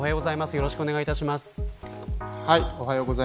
よろしくお願いします。